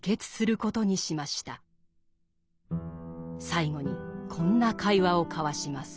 最後にこんな会話を交わします。